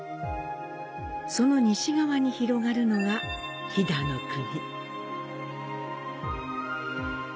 その西側に広がるのが飛騨国。